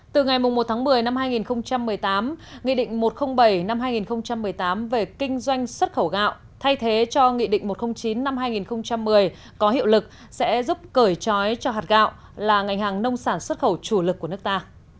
từ ngày một tháng một mươi năm hai nghìn một mươi tám nghị định một trăm linh bảy năm hai nghìn một mươi tám về kinh doanh xuất khẩu gạo thay thế cho nghị định một trăm linh chín năm hai nghìn một mươi có hiệu lực sẽ giúp cởi trói cho hạt gạo là ngành hàng nông sản xuất khẩu chủ lực của nước ta